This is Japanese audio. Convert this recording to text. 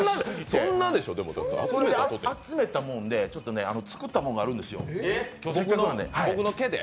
集めたもので、ちょっとね作ったものがあるんですよ。